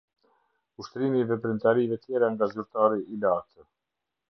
Ushtrimi i veprimtarive tjera nga zyrtari i lartë.